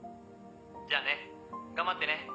じゃあね頑張ってね。